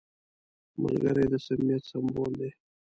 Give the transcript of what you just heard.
ملګری د صمیمیت سمبول دی